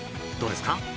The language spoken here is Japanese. どうですか？